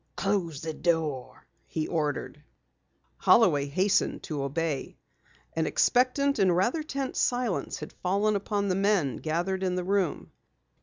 "Close the door!" he ordered. Holloway hastened to obey. An expectant and rather tense silence had fallen upon the men gathered in the room.